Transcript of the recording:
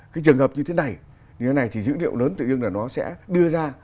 cái trường hợp như thế này như thế này thì dữ liệu lớn tự nhiên là nó sẽ đưa ra